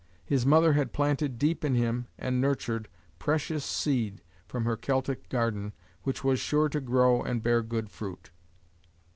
His mother had planted deep in him, and nurtured, precious seed from her Celtic garden, which was sure to grow and bear good fruit.